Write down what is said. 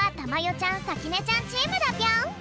ちゃんさきねちゃんチームだぴょん！